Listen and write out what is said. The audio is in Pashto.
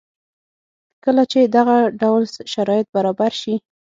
کله چې دغه ډول شرایط برابر شي